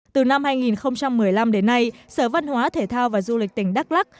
từ năm hai nghìn một mươi năm đến nay sở văn hóa thể thao và du lịch tỉnh đắk lắc